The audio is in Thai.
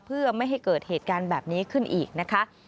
เพื่อไม่ให้เกิดเหตุการณ์แบบนี้ขึ้นอีกนะคะ